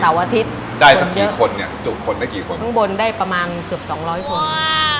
อาทิตย์ได้สักกี่คนเนี่ยจุคนได้กี่คนข้างบนได้ประมาณเกือบสองร้อยคน